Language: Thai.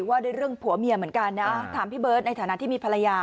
ว่าด้วยเรื่องผัวเมียเหมือนกันนะถามพี่เบิร์ตในฐานะที่มีภรรยา